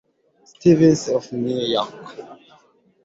Stevens of New York.